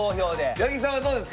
八木さんはどうですか？